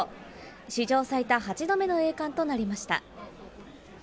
史上最多８度目の栄冠となりました。